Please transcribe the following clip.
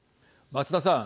松田さん。